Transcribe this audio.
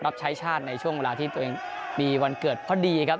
รับใช้ชาติในช่วงเวลาที่ตัวเองมีวันเกิดพอดีครับ